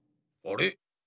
あれ？